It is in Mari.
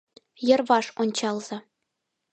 Йырваш ончалза!